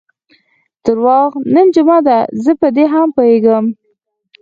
درواغ، نن جمعه ده، زه په دې هم پوهېږم.